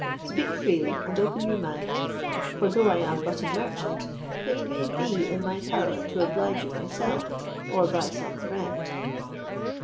Speak freely, and open your mind; for though I am but a merchant, it may be in my power to oblige you myself, or by some friend."